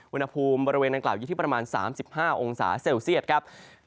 อุณหภูมิบริเวณอังกล่าอยู่ที่ประมาณ๓๕องศาเซลเซียตครับ